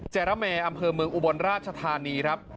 จาระแมอำเภอเมืองอุบลราชธานีครับ